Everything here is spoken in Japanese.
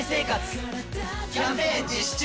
キャンペーン実施中！